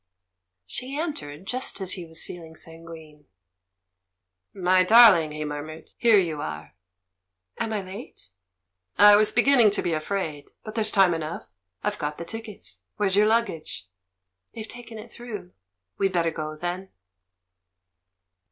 She entered just as he was feeling sanguine. "My darling," he murmured, "here you are!" "Am I late?" "I was beginning to be afraid. But there's time enough — I've got the tickets. Where's your luggage?" "They've taken it through." "We'd better go, then."